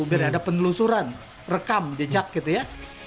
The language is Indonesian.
biar ada penelusuran rekam jejak gitu ya